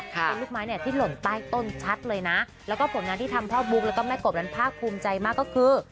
เป็นลูกไม้เนี่ยที่หล่นใต้ต้นชัดเลยนะแล้วก็ผลงานที่ทำพ่อบุ๊กแล้วก็แม่กบนั้นภาคภูมิใจมากก็คือ